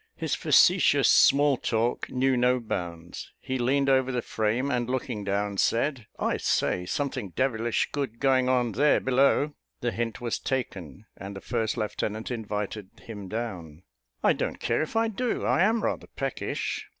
His facetious small talk knew no bounds; he leaned over the frame, and, looking down, said "I say, something devilish good going on there below!" The hint was taken, and the first lieutenant invited him down. "I don't care if I do; I am rather peckish."